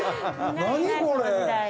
何これ？